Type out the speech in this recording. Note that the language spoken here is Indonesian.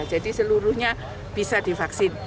jadi seluruhnya bisa divaksin